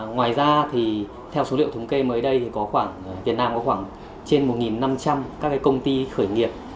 ngoài ra thì theo số liệu thống kê mới đây thì có khoảng việt nam có khoảng trên một năm trăm linh các công ty khởi nghiệp